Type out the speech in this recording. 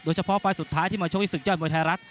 เฉพาะไฟล์สุดท้ายที่มาชกที่ศึกยอดมวยไทยรัฐ